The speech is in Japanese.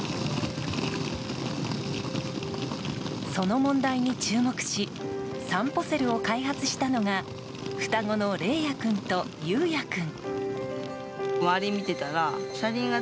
その問題に注目しさんぽセルを開発したのが双子のれいや君とゆうや君。